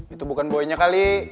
itu bukan boy nya kali